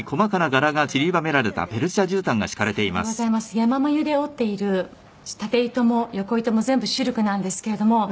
山繭で織っている縦糸も横糸も全部シルクなんですけれども。